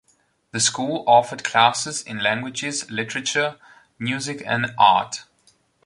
The school offered classes in languages, literature, music and art.